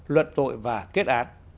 luận tội và kết án